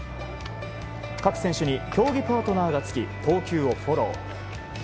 各選手に競技パートナーがつき投球をフォロー。